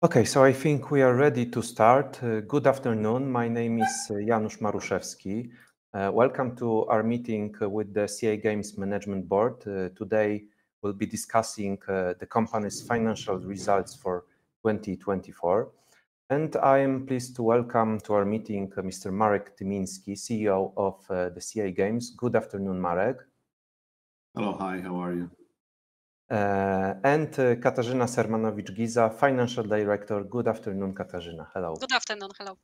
Okay, I think we are ready to start. Good afternoon, my name is Janusz Maruszewski. Welcome to our meeting with the CI Games Management Board. Today we'll be discussing the company's financial results for 2024. I am pleased to welcome to our meeting Mr. Marek Tymiński, CEO of CI Games. Good afternoon, Marek. Hello, hi, how are you? Katarzyna Sermanowicz-Giza, Financial Director. Good afternoon, Katarzyna. Hello. Good afternoon, hello.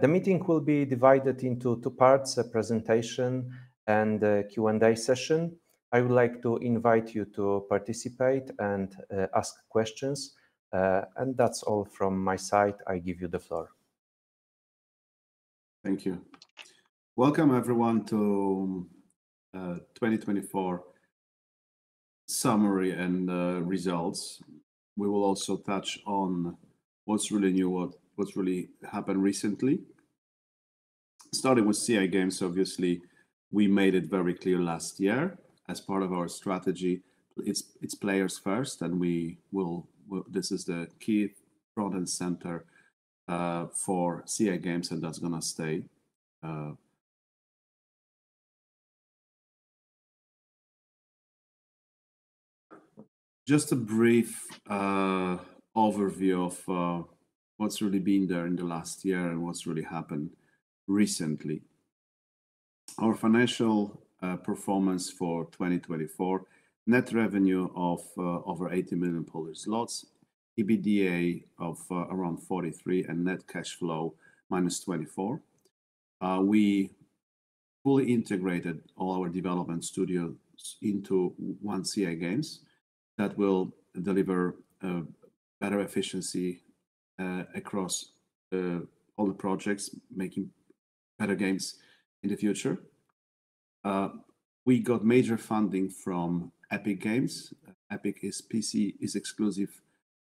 The meeting will be divided into two parts: a presentation and a Q&A session. I would like to invite you to participate and ask questions. That is all from my side. I give you the floor. Thank you. Welcome everyone to the 2024 summary and results. We will also touch on what is really new, what has really happened recently. Starting with CI Games, obviously, we made it very clear last year as part of our strategy, it is players first, and we will, this is the key front and center for CI Games and that is going to stay. Just a brief overview of what has really been there in the last year and what has really happened recently. Our financial performance for 2024: net revenue of over 80 million Polish zlotys, EBITDA of around 43 million, and net cash flow minus 24 million. We fully integrated all our development studios into one CI Games that will deliver better efficiency across all the projects, making better games in the future. We got major funding from Epic Games. Epic is an exclusive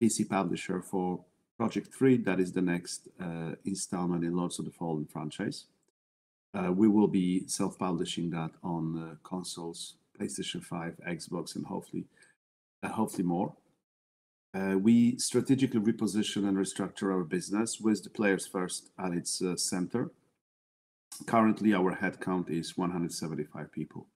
PC publisher for Project 3. That is the next installment in Lords of the Fallen franchise. We will be self-publishing that on consoles, PlayStation 5, Xbox, and hopefully more. We strategically repositioned and restructured our business with the players first at its center. Currently, our headcount is 175 people.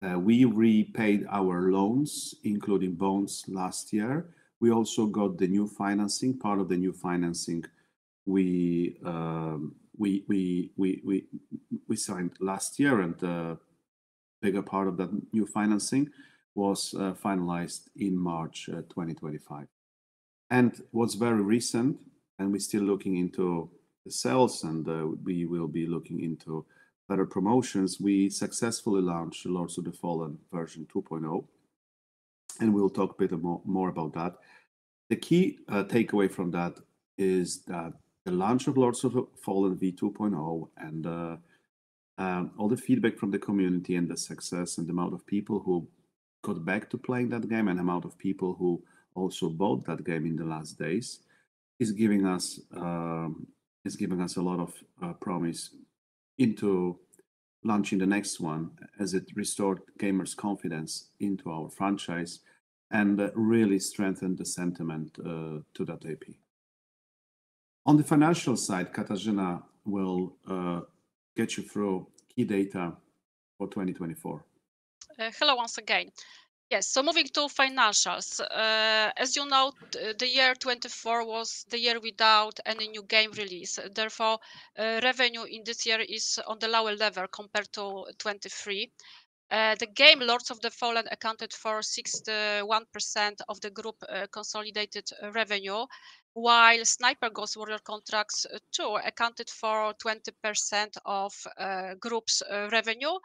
We repaid our loans, including bonds, last year. We also got the new financing. Part of the new financing we signed last year, and a bigger part of that new financing was finalized in March 2025. What is very recent, and we are still looking into sales, and we will be looking into better promotions, we successfully launched Lords of the Fallen version 2.0, and we will talk a bit more about that. The key takeaway from that is that the launch of Lords of the Fallen v2.0 and all the feedback from the community and the success and the amount of people who got back to playing that game and the amount of people who also bought that game in the last days is giving us a lot of promise into launching the next one as it restored gamers' confidence into our franchise and really strengthened the sentiment to that IP. On the financial side, Katarzyna will get you through key data for 2024. Hello, once again. Yes, moving to financials. As you know, the year 2024 was the year without any new game release. Therefore, revenue in this year is on the lower level compared to 2023. The game Lords of the Fallen accounted for 61% of the group consolidated revenue, while Sniper Ghost Warrior Contracts 2 accounted for 20% of the group's revenue.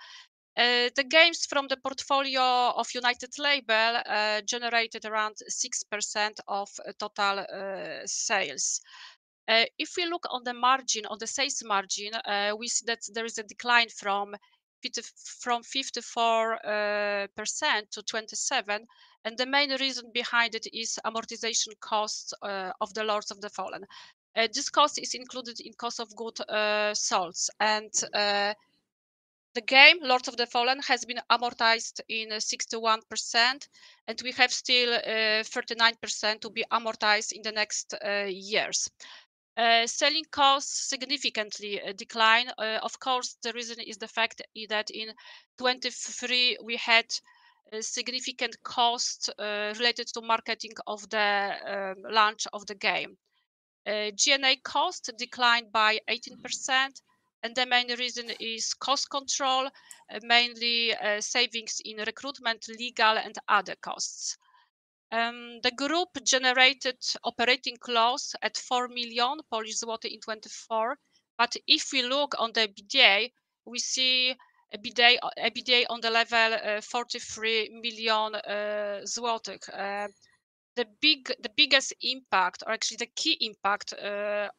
The games from the portfolio of United Label generated around 6% of total sales. If we look on the margin, on the sales margin, we see that there is a decline from 54% to 27%, and the main reason behind it is amortization costs of the Lords of the Fallen. This cost is included in cost of goods sold. The game Lords of the Fallen has been amortized in 61%, and we have still 39% to be amortized in the next years. Selling costs significantly declined. Of course, the reason is the fact that in 2023 we had significant costs related to marketing of the launch of the game. G&A costs declined by 18%, and the main reason is cost control, mainly savings in recruitment, legal, and other costs. The group generated operating loss at 4 million Polish zloty in 2024, but if we look on the EBITDA, we see EBITDA on the level of 43 million zlotys. The biggest impact, or actually the key impact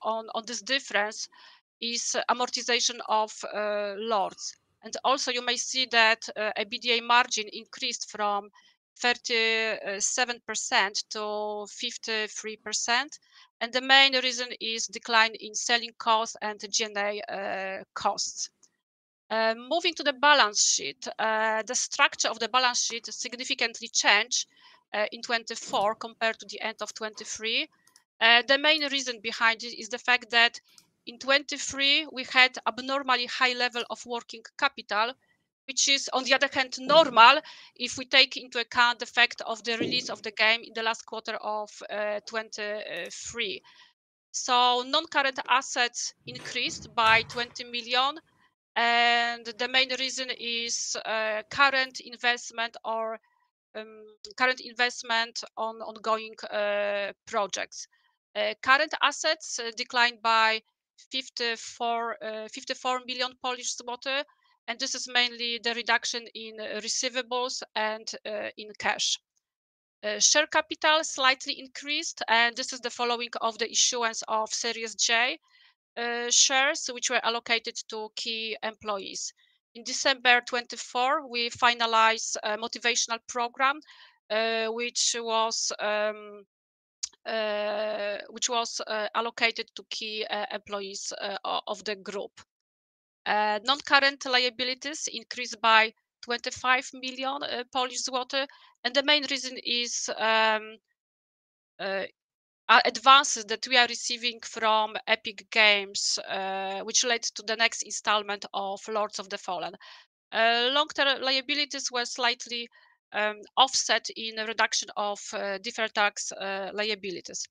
on this difference is amortization of Lords. Also, you may see that EBITDA margin increased from 37% to 53%, and the main reason is decline in selling costs and G&A costs. Moving to the balance sheet, the structure of the balance sheet significantly changed in 2024 compared to the end of 2023. The main reason behind it is the fact that in 2023 we had an abnormally high level of working capital, which is on the other hand normal if we take into account the fact of the release of the game in the last quarter of 2023. Non-current assets increased by 20 million, and the main reason is current investment or current investment on ongoing projects. Current assets declined by 54 million Polish zloty, and this is mainly the reduction in receivables and in cash. Share capital slightly increased, and this is the following of the issuance of Series J shares, which were allocated to key employees. In December 2024, we finalized a motivational program, which was allocated to key employees of the group. Non-current liabilities increased by 25 million Polish zloty, and the main reason is advances that we are receiving from Epic Games, which led to the next installment of Lords of the Fallen. Long-term liabilities were slightly offset in the reduction of different tax liabilities.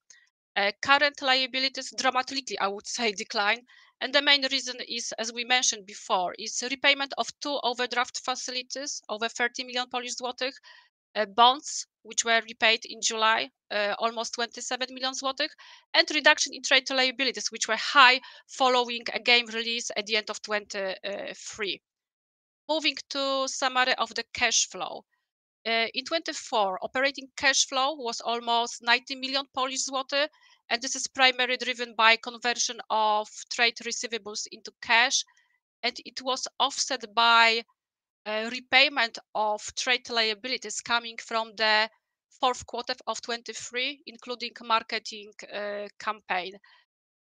Current liabilities dramatically, I would say, declined, and the main reason is, as we mentioned before, is repayment of two overdraft facilities over 30 million Polish zlotys, bonds which were repaid in July, almost 27 million zlotys, and reduction in traditional liabilities, which were high following a game release at the end of 2023. Moving to summary of the cash flow. In 2024, operating cash flow was almost 90 million Polish zloty, and this is primarily driven by conversion of trade receivables into cash, and it was offset by repayment of trade liabilities coming from the fourth quarter of 2023, including marketing campaign.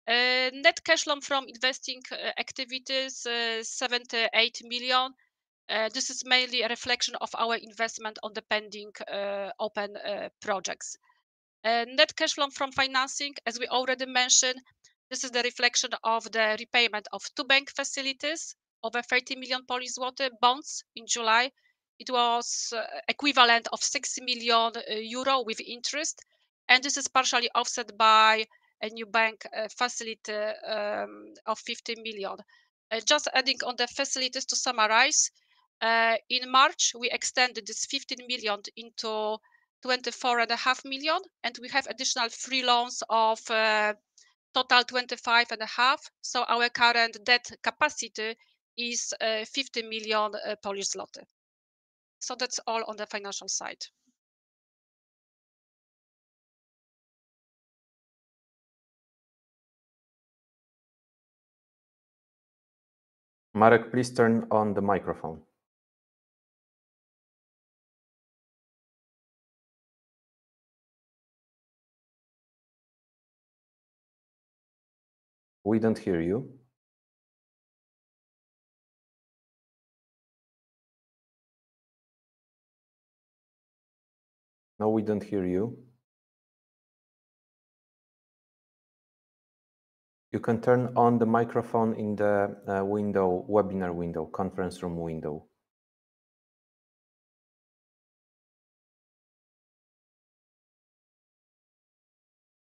Net cash loan from investing activities, 78 million. This is mainly a reflection of our investment on the pending open projects. Net cash loan from financing, as we already mentioned, this is the reflection of the repayment of two bank facilities over 30 million, bonds in July. It was equivalent of 6 million euro with interest, and this is partially offset by a new bank facility of 15 million. Just adding on the facilities to summarize, in March we extended this 15 million into 24.5 million, and we have additional three loans of total 25.5 million, so our current debt capacity is 50 million Polish zloty. That is all on the financial side. Marek, please turn on the microphone. We don't hear you. No, we don't hear you. You can turn on the microphone in the window, webinar window, conference room window.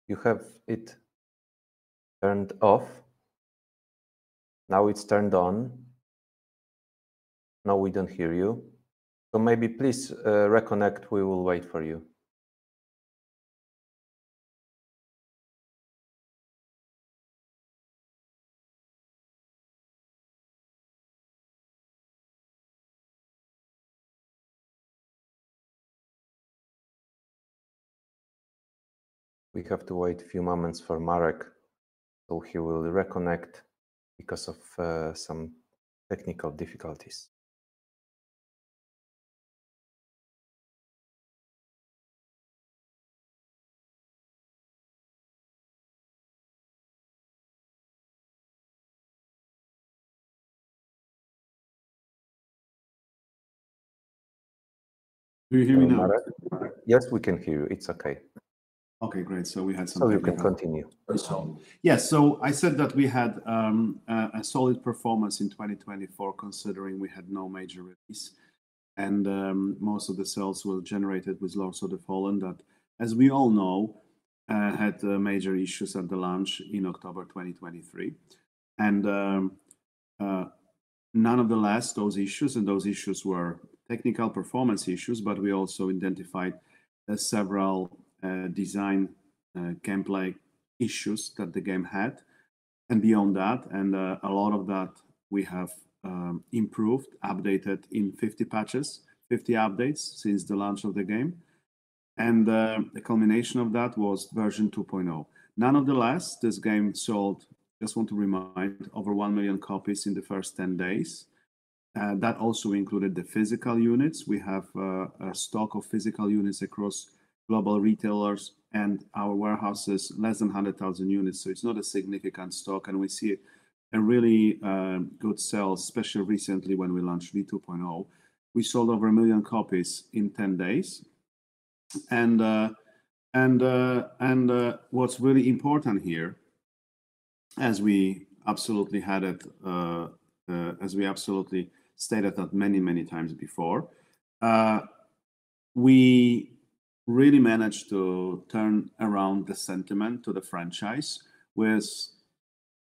You have it turned off. Now it's turned on. No, we don't hear you. Maybe please reconnect. We will wait for you. We have to wait a few moments for Marek, so he will reconnect because of some technical difficulties. Do you hear me now? Yes, we can hear you. It's okay. Okay, great. We had some. You can continue. Yeah, I said that we had a solid performance in 2024, considering we had no major release, and most of the sales were generated with Lords of the Fallen that, as we all know, had major issues at the launch in October 2023. Nonetheless, those issues, and those issues were technical performance issues, but we also identified several design gameplay issues that the game had, and beyond that, and a lot of that we have improved, updated in 50 patches, 50 updates since the launch of the game. The culmination of that was version 2.0. Nonetheless, this game sold, just want to remind, over 1 million copies in the first 10 days. That also included the physical units. We have a stock of physical units across global retailers and our warehouses, less than 100,000 units, so it's not a significant stock, and we see really good sales, especially recently when we launched v2.0. We sold over a million copies in 10 days. What's really important here, as we absolutely had it, as we absolutely stated that many, many times before, we really managed to turn around the sentiment to the franchise with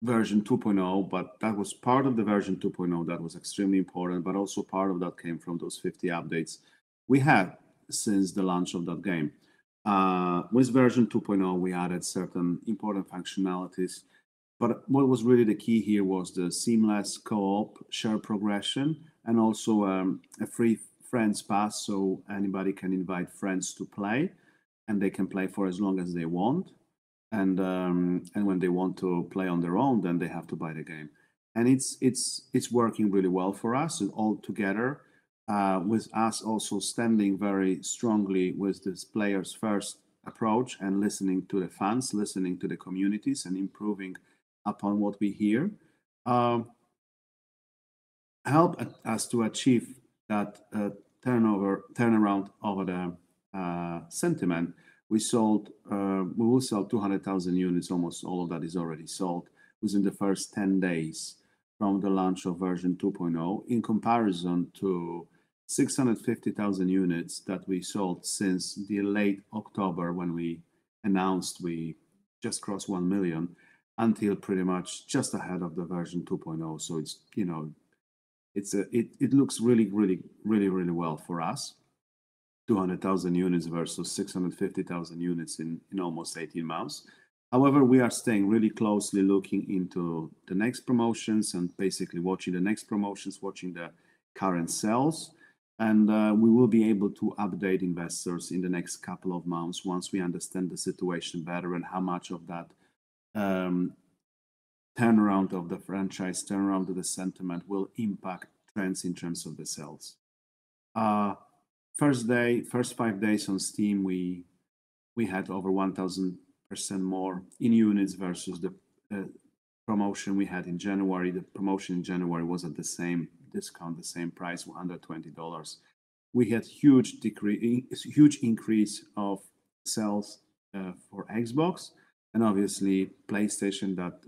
version 2.0. That was part of the version 2.0 that was extremely important, but also part of that came from those 50 updates we had since the launch of that game. With version 2.0, we added certain important functionalities, but what was really the key here was the seamless co-op, share progression, and also a free friends pass so anybody can invite friends to play, and they can play for as long as they want. When they want to play on their own, then they have to buy the game. It is working really well for us all together, with us also standing very strongly with this players first approach and listening to the fans, listening to the communities, and improving upon what we hear. Help us to achieve that turnaround over the sentiment. We sold, we will sell 200,000 units, almost all of that is already sold within the first 10 days from the launch of version 2.0, in comparison to 650,000 units that we sold since late October when we announced we just crossed 1 million until pretty much just ahead of version 2.0. It looks really, really well for us, 200,000 units versus 650,000 units in almost 18 months. However, we are staying really closely looking into the next promotions and basically watching the next promotions, watching the current sales, and we will be able to update investors in the next couple of months once we understand the situation better and how much of that turnaround of the franchise, turnaround of the sentiment, will impact trends in terms of the sales. First day, first five days on Steam, we had over 1,000% more in units versus the promotion we had in January. The promotion in January was at the same discount, the same price, $120. We had huge increase of sales for Xbox and obviously PlayStation that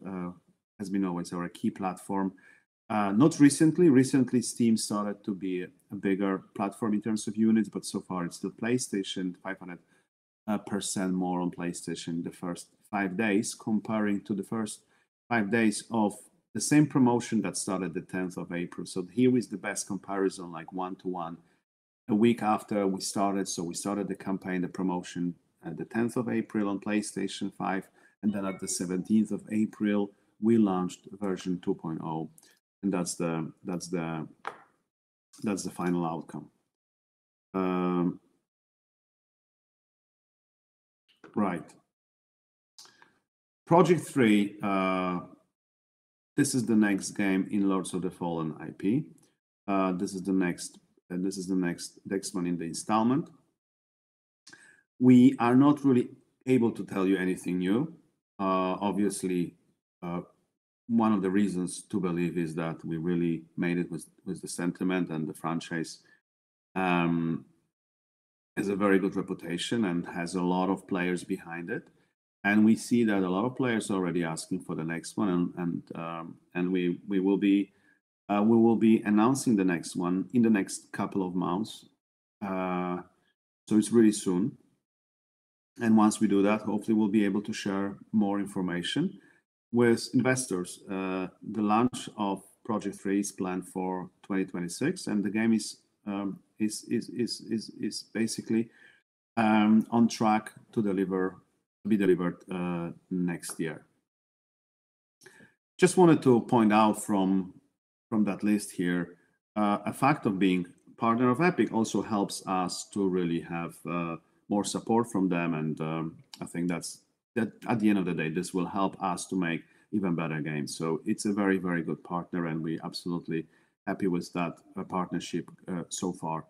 has been always our key platform. Not recently, recently Steam started to be a bigger platform in terms of units, but so far it's still PlayStation, 500% more on PlayStation the first five days comparing to the first five days of the same promotion that started the 10th of April. Here is the best comparison, like one to one. A week after we started, we started the campaign, the promotion the 10th of April on PlayStation 5, and at the 17th of April, we launched version 2.0, and that's the final outcome. Right. Project 3, this is the next game in Lords of the Fallen IP. This is the next one in the installment. We are not really able to tell you anything new. Obviously, one of the reasons to believe is that we really made it with the sentiment and the franchise has a very good reputation and has a lot of players behind it. We see that a lot of players are already asking for the next one, and we will be announcing the next one in the next couple of months. It is really soon. Once we do that, hopefully we will be able to share more information with investors. The launch of Project 3 is planned for 2026, and the game is basically on track to be delivered next year. Just wanted to point out from that list here, a fact of being partner of Epic also helps us to really have more support from them, and I think that at the end of the day, this will help us to make even better games. It is a very, very good partner, and we're absolutely happy with that partnership so far.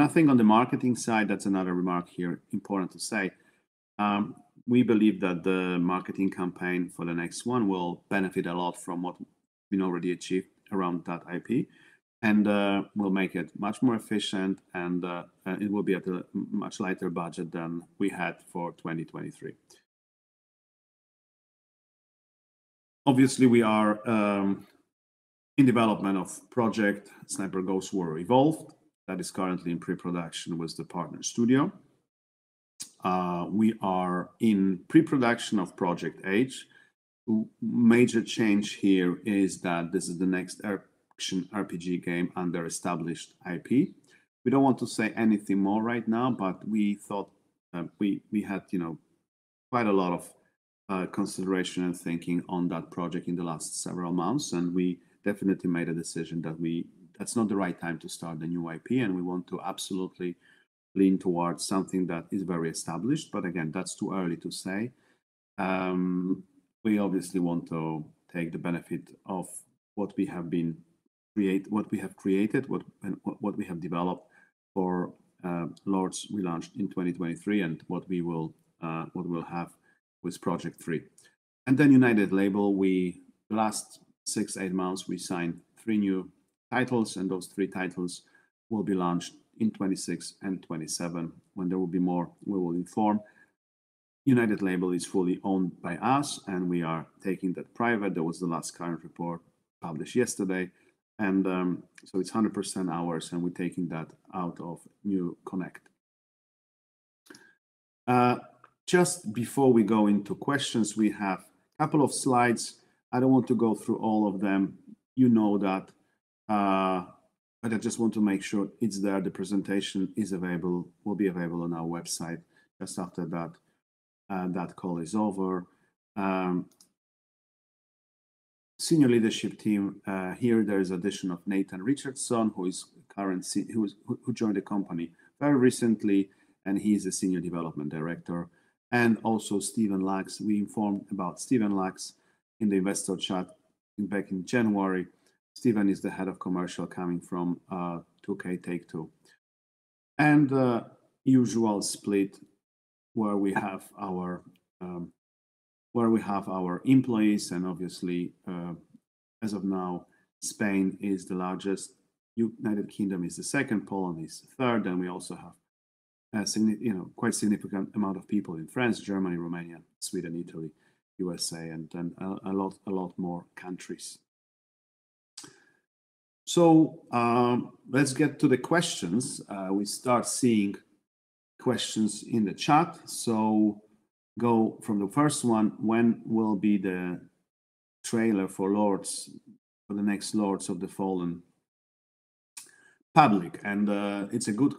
I think on the marketing side, that's another remark here important to say. We believe that the marketing campaign for the next one will benefit a lot from what we already achieved around that IP, and we'll make it much more efficient, and it will be at a much lighter budget than we had for 2023. Obviously, we are in development of Project Sniper Ghost Warrior Evolved. That is currently in pre-production with the partner studio. We are in pre-production of Project Age. Major change here is that this is the next action RPG game under established IP. We do not want to say anything more right now, but we thought we had quite a lot of consideration and thinking on that project in the last several months, and we definitely made a decision that that is not the right time to start the new IP, and we want to absolutely lean towards something that is very established, but again, that is too early to say. We obviously want to take the benefit of what we have created, what we have developed for Lords we launched in 2023, and what we will have with Project 3. United Label, the last six-eight months, we signed three new titles, and those three titles will be launched in 2026 and 2027. When there will be more, we will inform. United Label is fully owned by us, and we are taking that private. That was the last current report published yesterday. It is 100% ours, and we are taking that out of New Connect. Just before we go into questions, we have a couple of slides. I do not want to go through all of them. You know that, but I just want to make sure it is there. The presentation will be available on our website just after that call is over. Senior leadership team, here there is addition of Nathan Richardson, who joined the company very recently, and he is a Senior Development Director. Also, Steven Lux, we informed about Steven Lux in the investor chat back in January. Steven is the Head of Commercial coming from 2K Take-Two. The usual split where we have our employees, and obviously, as of now, Spain is the largest, United Kingdom is the second, Poland is the third, and we also have a quite significant amount of people in France, Germany, Romania, Sweden, Italy, USA, and then a lot more countries. Let's get to the questions. We start seeing questions in the chat. Go from the first one, when will be the trailer for Lords, for the next Lords of the Fallen public? It's a good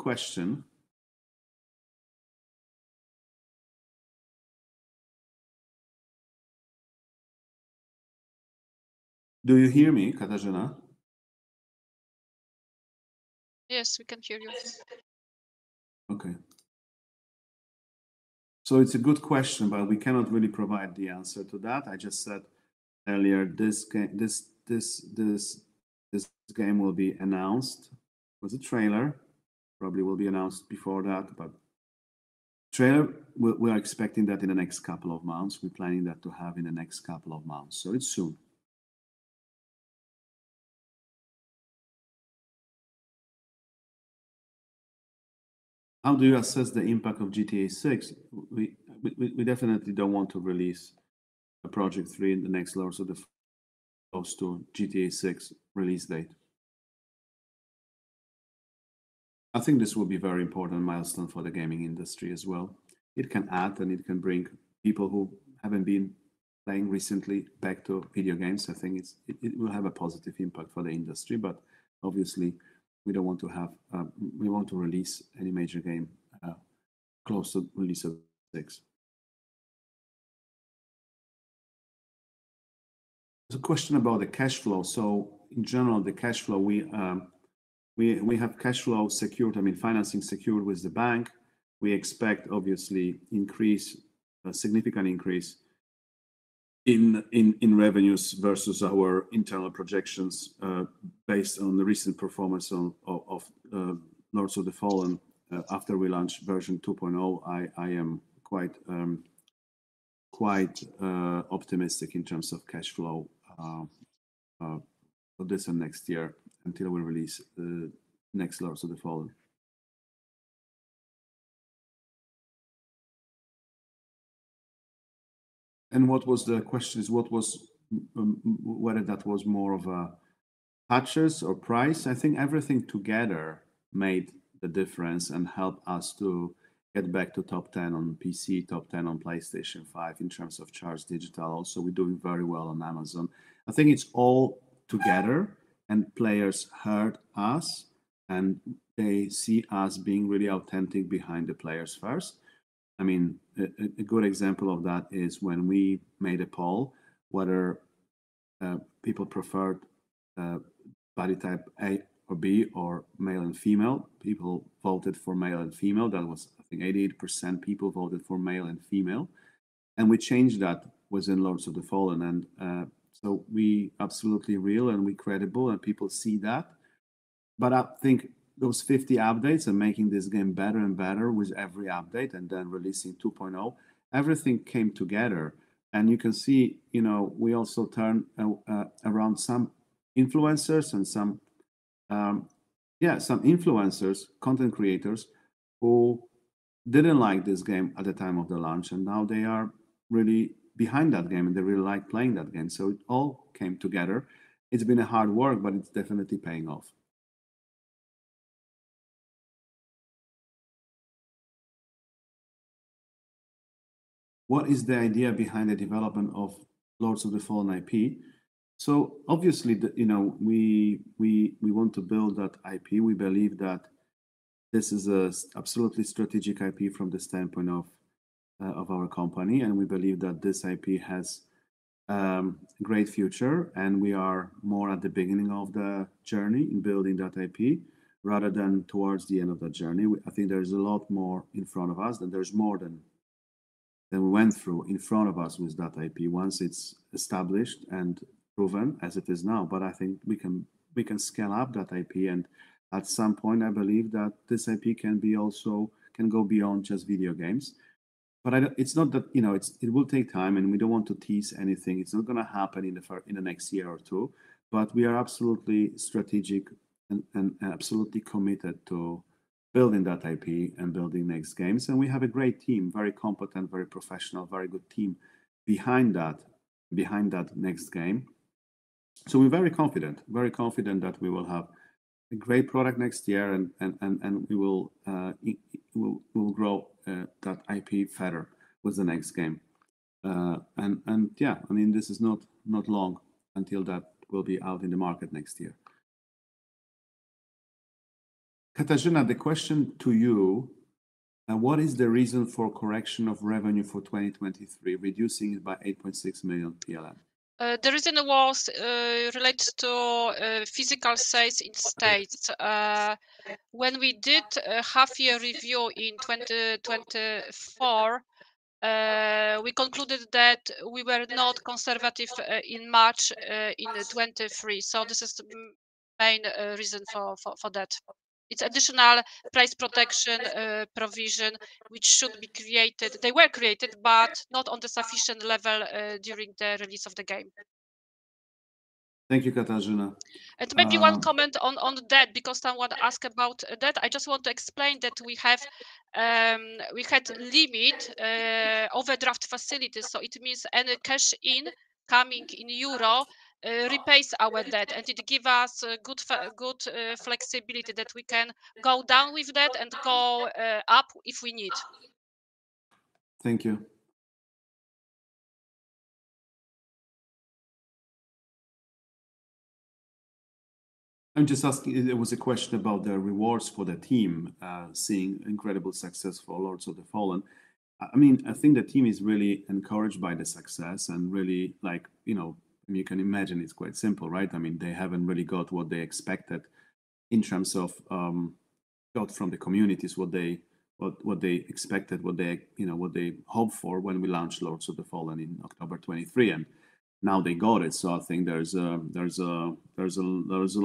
question. Do you hear me, Katarzyna? Yes, we can hear you. Okay. It's a good question, but we cannot really provide the answer to that. I just said earlier this game will be announced with a trailer, probably will be announced before that, but trailer, we're expecting that in the next couple of months. We're planning that to have in the next couple of months, so it's soon. How do you assess the impact of GTA 6? We definitely don't want to release Project 3 in the next Lords of the Fallen close to GTA 6 release date. I think this will be a very important milestone for the gaming industry as well. It can add, and it can bring people who haven't been playing recently back to video games. I think it will have a positive impact for the industry, but obviously, we don't want to have we want to release any major game close to release of 6. There's a question about the cash flow. In general, the cash flow, we have cash flow secured, I mean, financing secured with the bank. We expect, obviously, a significant increase in revenues versus our internal projections based on the recent performance of Lords of the Fallen after we launched version 2.0. I am quite optimistic in terms of cash flow for this and next year until we release the next Lords of the Fallen. The question is whether that was more of a patches or price. I think everything together made the difference and helped us to get back to top 10 on PC, top 10 on PlayStation 5 in terms of charts digital. Also, we're doing very well on Amazon. I think it's all together, and players heard us, and they see us being really authentic behind the players first. I mean, a good example of that is when we made a poll, whether people preferred body type A or B or male and female. People voted for male and female. That was, I think, 88% people voted for male and female. We changed that within Lords of the Fallen. We are absolutely real and we're credible, and people see that. I think those 50 updates and making this game better and better with every update and then releasing 2.0, everything came together. You can see we also turned around some influencers and some, yeah, some influencers, content creators who didn't like this game at the time of the launch, and now they are really behind that game, and they really like playing that game. It all came together. It's been hard work, but it's definitely paying off. What is the idea behind the development of Lords of the Fallen IP? Obviously, we want to build that IP. We believe that this is an absolutely strategic IP from the standpoint of our company, and we believe that this IP has a great future, and we are more at the beginning of the journey in building that IP rather than towards the end of the journey. I think there's a lot more in front of us, and there's more than we went through in front of us with that IP once it's established and proven as it is now. I think we can scale up that IP, and at some point, I believe that this IP can also go beyond just video games. It will take time, and we don't want to tease anything. It's not going to happen in the next year or two, but we are absolutely strategic and absolutely committed to building that IP and building next games. We have a great team, very competent, very professional, very good team behind that next game. We are very confident, very confident that we will have a great product next year, and we will grow that IP further with the next game. I mean, this is not long until that will be out in the market next year. Katarzyna, the question to you, what is the reason for correction of revenue for 2023, reducing it by 8.6 million? The reason was related to physical size in states. When we did a half-year review in 2024, we concluded that we were not conservative in March in 2023. This is the main reason for that. It is additional price protection provision, which should be created. They were created, but not on the sufficient level during the release of the game. Thank you, Katarzyna. Maybe one comment on debt, because someone asked about debt. I just want to explain that we had a limit overdraft facility. It means any cash in coming in EUR repays our debt, and it gives us good flexibility that we can go down with that and go up if we need. Thank you. I'm just asking, there was a question about the rewards for the team seeing incredible success for Lords of the Fallen. I mean, I think the team is really encouraged by the success, and really, like you can imagine, it's quite simple, right? I mean, they haven't really got what they expected in terms of got from the communities, what they expected, what they hoped for when we launched Lords of the Fallen in October 2023, and now they got it. I think there's a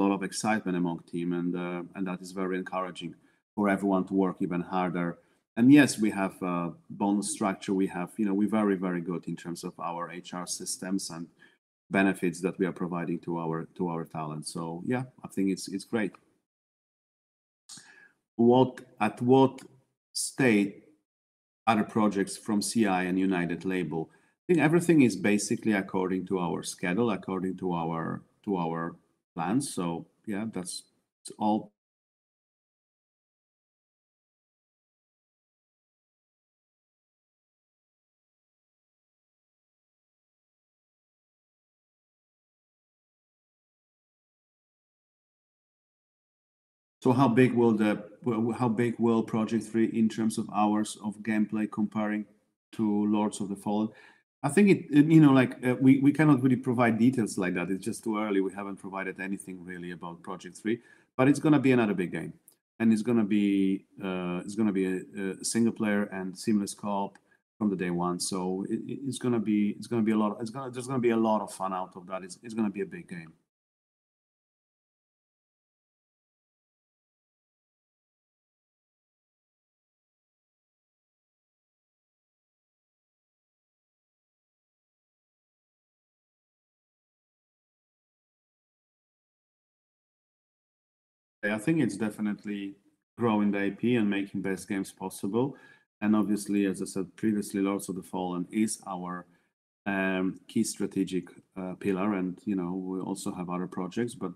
lot of excitement among the team, and that is very encouraging for everyone to work even harder. Yes, we have a bonus structure. We're very, very good in terms of our HR systems and benefits that we are providing to our talent. Yeah, I think it's great. At what state are the projects from CI and United Label? I think everything is basically according to our schedule, according to our plans. Yeah, that's all. How big will Project 3 be in terms of hours of gameplay comparing to Lords of the Fallen? I think we cannot really provide details like that. It's just too early. We haven't provided anything really about Project 3, but it's going to be another big game, and it's going to be a single player and seamless co-op from day one. It's going to be a lot of, there's going to be a lot of fun out of that. It's going to be a big game. I think it's definitely growing the IP and making best games possible. Obviously, as I said previously, Lords of the Fallen is our key strategic pillar, and we also have other projects, but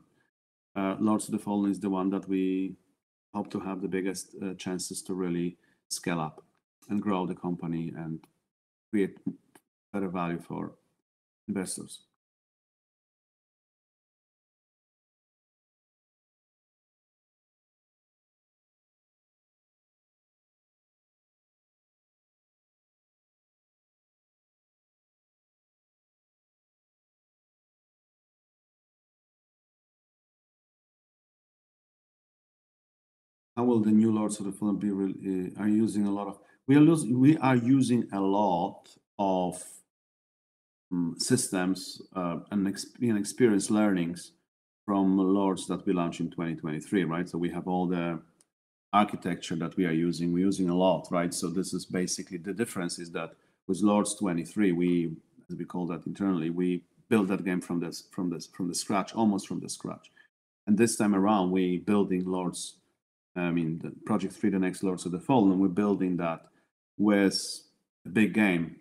Lords of the Fallen is the one that we hope to have the biggest chances to really scale up and grow the company and create better value for investors. How will the new Lords of the Fallen be? Are you using a lot of? We are using a lot of systems and experience learnings from Lords that we launched in 2023, right? We have all the architecture that we are using. We're using a lot, right? The difference is that with Lords 23, as we call that internally, we built that game from the scratch, almost from the scratch. This time around, we're building Lords, I mean, Project 3, the next Lords of the Fallen, and we're building that with a big game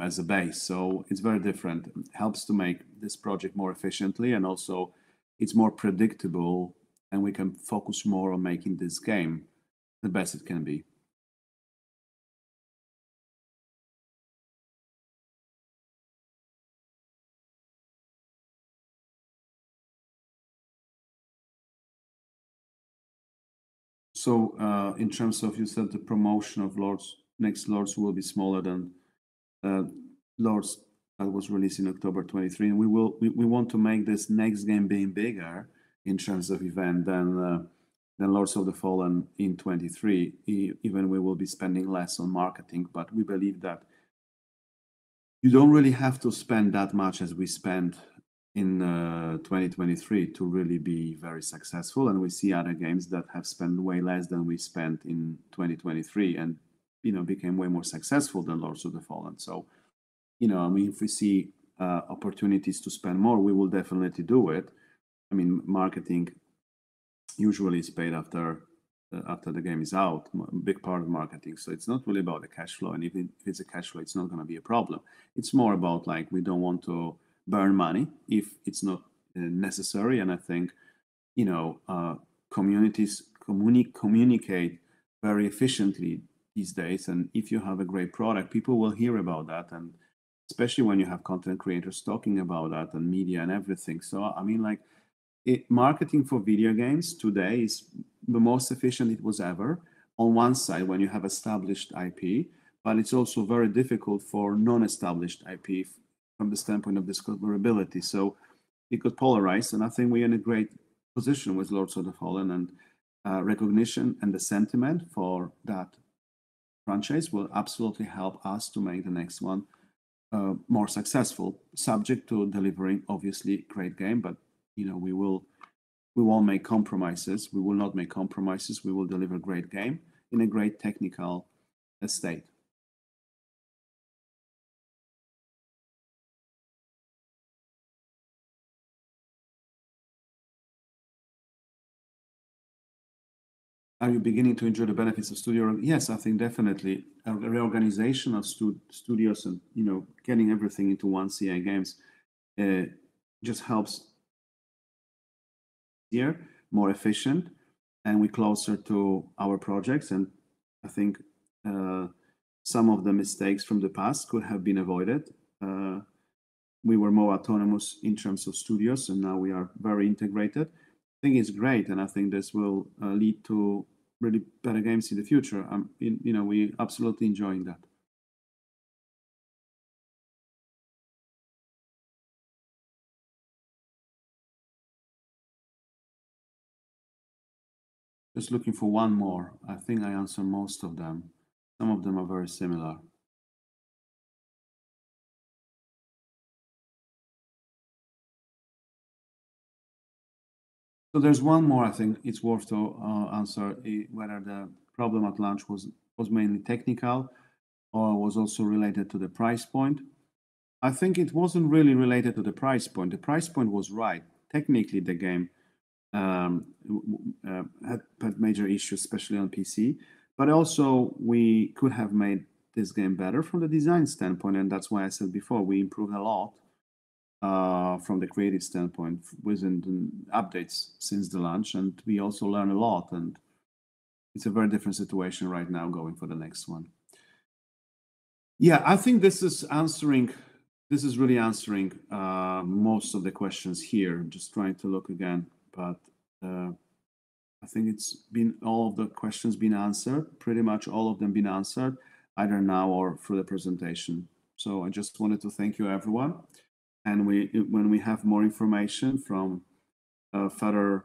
as a base. It is very different. It helps to make this project more efficiently, and also it is more predictable, and we can focus more on making this game the best it can be. In terms of, you said the promotion of Lords, next Lords will be smaller than Lords that was released in October 2023, and we want to make this next game being bigger in terms of event than Lords of the Fallen in 2023. Even we will be spending less on marketing, but we believe that you don't really have to spend that much as we spent in 2023 to really be very successful, and we see other games that have spent way less than we spent in 2023 and became way more successful than Lords of the Fallen. I mean, if we see opportunities to spend more, we will definitely do it. I mean, marketing usually is paid after the game is out, a big part of marketing. It's not really about the cash flow, and if it's a cash flow, it's not going to be a problem. It's more about we don't want to burn money if it's not necessary, and I think communities communicate very efficiently these days, and if you have a great product, people will hear about that, especially when you have content creators talking about that and media and everything. I mean, marketing for video games today is the most efficient it was ever on one side when you have established IP, but it's also very difficult for non-established IP from the standpoint of discoverability. It could polarize, and I think we're in a great position with Lords of the Fallen, and recognition and the sentiment for that franchise will absolutely help us to make the next one more successful, subject to delivering, obviously, great game, but we won't make compromises. We will not make compromises. We will deliver a great game in a great technical state. Are you beginning to enjoy the benefits of studio reorganization? Yes, I think definitely. Reorganization of studios and getting everything into one CI Games just helps us be more efficient, and we're closer to our projects, and I think some of the mistakes from the past could have been avoided. We were more autonomous in terms of studios, and now we are very integrated. I think it's great, and I think this will lead to really better games in the future. We are absolutely enjoying that. Just looking for one more. I think I answered most of them. Some of them are very similar. There is one more I think it's worth to answer whether the problem at launch was mainly technical or was also related to the price point. I think it wasn't really related to the price point. The price point was right. Technically, the game had major issues, especially on PC, but also we could have made this game better from the design standpoint, and that's why I said before we improved a lot from the creative standpoint within the updates since the launch, and we also learned a lot, and it's a very different situation right now going for the next one. I think this is really answering most of the questions here. I'm just trying to look again, but I think all of the questions have been answered, pretty much all of them have been answered either now or through the presentation. I just wanted to thank you, everyone. When we have more information from further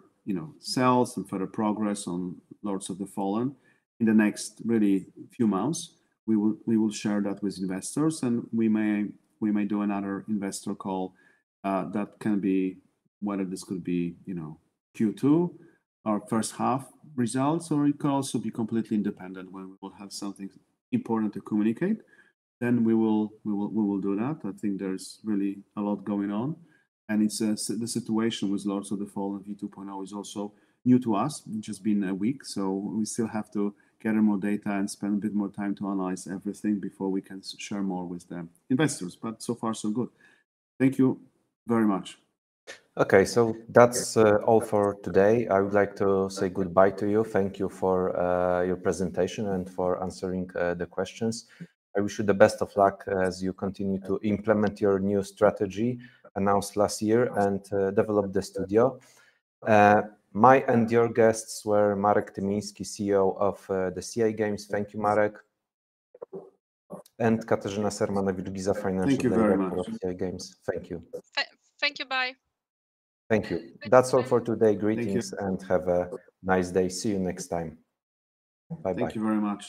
sales and further progress on Lords of the Fallen in the next really few months, we will share that with investors, and we may do another investor call that can be whether this could be Q2 or first half results, or it could also be completely independent when we will have something important to communicate. We will do that. I think there's really a lot going on, and the situation with Lords of the Fallen v2.0 is also new to us. It's just been a week, so we still have to gather more data and spend a bit more time to analyze everything before we can share more with the investors, but so far, so good. Thank you very much. Okay, that's all for today. I would like to say goodbye to you. Thank you for your presentation and for answering the questions. I wish you the best of luck as you continue to implement your new strategy announced last year and develop the studio. My and your guests were Marek Tymiński, CEO of CI Games. Thank you, Marek. Katarzyna Sermanowicz-Giza, Financial Director of CI Games. Thank you. Thank you. Bye. Thank you. That's all for today. Greetings and have a nice day. See you next time. Bye-bye. Thank you very much.